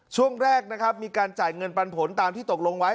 ช่วงแรกนะครับมีการจ่ายเงินปันผลตามที่ตกลงไว้